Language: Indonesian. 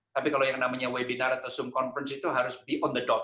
tapi kalau yang namanya webinar atau zoom conference itu harus berada di tempat